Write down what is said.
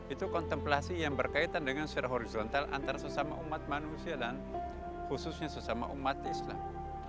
itu kontemplasi yang berkaitan dengan secara horizontal antara sesama umat manusia dan khususnya sesama umat islam